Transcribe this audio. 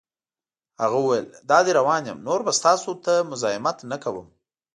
هغه وویل: دادی روان یم، نور به ستاسو ته مزاحمت نه کوم.